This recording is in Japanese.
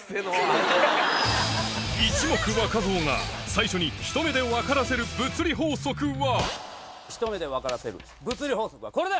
一目分造が最初にひと目でわからせる物理法則はこれだ！